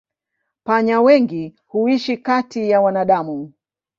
Panya wengi huishi kati ya wanadamu.